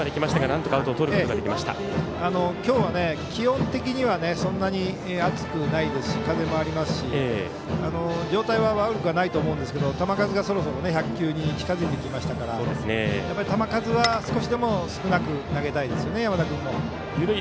今日は気温的にはそんなに暑くないですし、風もありますし状態は悪くないと思いますが球数が、そろそろ１００球に近づいてきましたから球数は少しでも少なく投げたいですね。